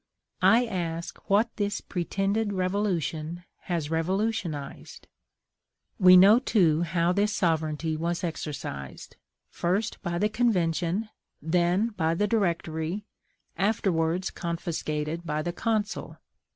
I ask what this pretended revolution has revolutionized? We know, too, how this sovereignty was exercised; first by the Convention, then by the Directory, afterwards confiscated by the Consul.